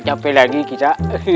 capek lagi kita